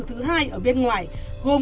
thứ hai ở bên ngoài gồm